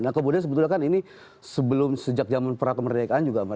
nah kemudian sebetulnya kan ini sebelum sejak zaman prakemerdekaan juga